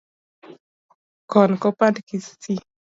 Kon ko pand kisii